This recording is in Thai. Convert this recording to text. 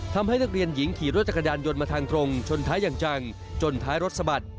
ทำให้นักเรียนหญิงขี่รถจักรยานยนต์มาทางตรงชนท้ายอย่างจังจนท้ายรถสะบัด